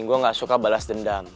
gue gak suka balas dendam